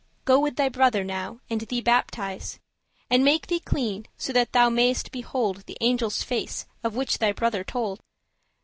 Go with thy brother now and thee baptise, And make thee clean, so that thou may'st behold The angel's face, of which thy brother told."